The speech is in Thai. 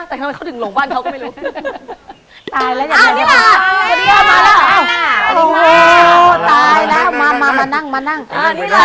ซื้อของมาทำขนม